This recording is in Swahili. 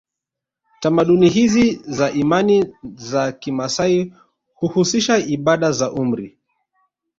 Tamaduni hizi za imani za kimaasai huhusisha ibada za umri